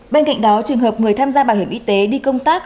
bên cạnh đó trường hợp người tham gia bảo hiểm y tế đi công tác